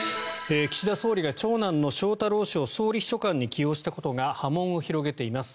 岸田総理が長男の翔太郎氏を総理秘書官に起用したことが波紋を広げています。